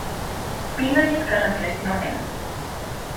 Pídolles que reflexionen.